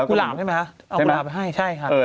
ุหลาบใช่ไหมคะเอากุหลาบไปให้ใช่ครับ